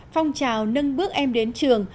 phong trào nâng bước em đến trường